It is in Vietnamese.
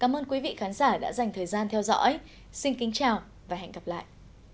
xin kính chào và hẹn gặp lại